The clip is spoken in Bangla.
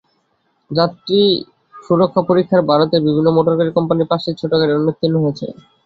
যাত্রী সুরক্ষা পরীক্ষায় ভারতের বিভিন্ন মোটরগাড়ি কোম্পানির পাঁচটি ছোট গাড়ি অনুত্তীর্ণ হয়েছে।